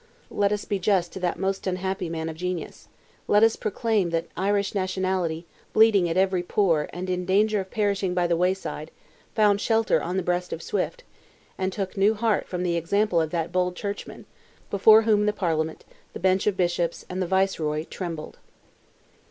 Let us be just to that most unhappy man of genius; let us proclaim that Irish nationality, bleeding at every pore, and in danger of perishing by the wayside, found shelter on the breast of Swift, and took new heart from the example of that bold churchman, before whom the Parliament, the bench of Bishops, and the Viceroy, trembled.